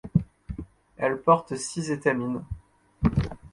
Elle porte six étamines.